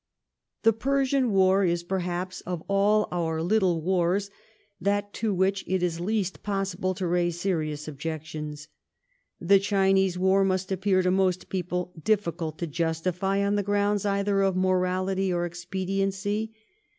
I The Persian war is perhaps of all our little wars that to which it is least possible to raise serious objections. The Chinese war must appear to most people difficult to justify on the grounds either of morality or expediency.